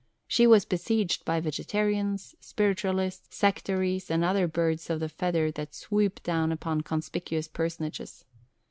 She was besieged by Vegetarians, Spiritualists, Sectaries, and other birds of the feather that swoop down upon conspicuous personages.